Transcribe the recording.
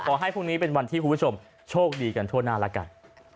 ขอให้พรุ่งนี้เป็นวันที่คุณผู้ชมโชคดีกันทั่วหน้าแล้วกัน